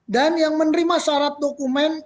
dan yang menerima syarat dokumen